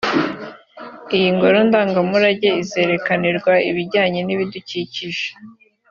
Iyi ngoro ndangamurage izerekanirwamo ibijyanye n’ibidukikije